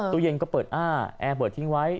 ตู้เย็นก็เปิดอ้าแอร์เบิร์ตทิ้งไว้